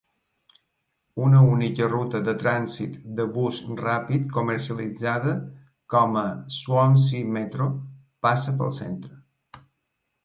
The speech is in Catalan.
Una única ruta de trànsit de bus ràpid comercialitzada com a "Swansea Metro" passa pel centre.